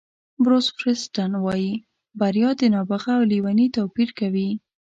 بروس فیریسټن وایي بریا د نابغه او لېوني توپیر کوي.